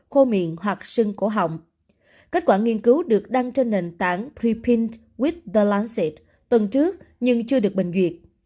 cách quả nghiên cứu được đăng trên nền tảng prepint with the lancet tuần trước nhưng chưa được bình duyệt